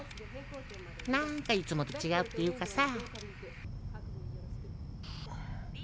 なんかいつもとちがうって言うかさ。